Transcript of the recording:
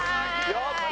やった！